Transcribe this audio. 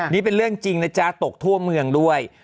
นี่เป็นเรื่องจริงนะจ๊ะตกทั่วเมืองด้วย